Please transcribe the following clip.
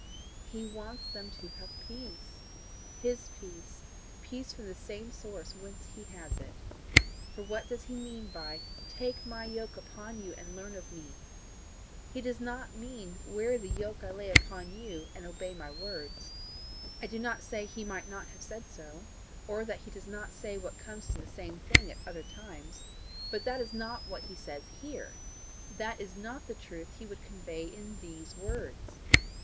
He wants them to have peace HIS peace peace from the same source whence he has it. For what does he mean by TAKE MY YOKE UPON YOU, AND LEARN OF ME? He does not mean WEAR THE YOKE I LAY UPON YOU, AND OBEY MY WORDS. I do not say he might not have said so, or that he does not say what comes to the same thing at other times, but that is not what he says here that is not the truth he would convey in these words.